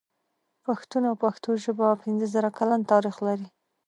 پښتون او پښتو ژبه پنځه زره کلن تاريخ لري.